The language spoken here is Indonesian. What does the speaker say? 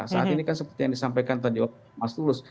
saat ini kan seperti yang disampaikan tadi mas tulus